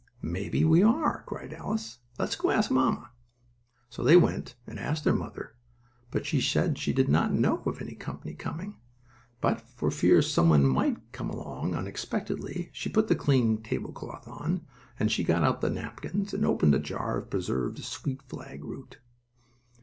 "Maybe we are!" cried Alice. "Let's go ask mamma." So they went, and asked their mother, but she said she did not know of any company coming, but, for fear some one might come along unexpectedly she did put the clean table cloth on, and she got out the napkins, and opened a jar of preserved sweet flag root.